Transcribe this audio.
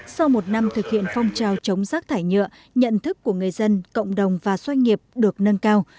sau một năm thực hiện phong trào chống rác thải nhựa nhận thức của người dân cộng đồng và doanh nghiệp được nâng cao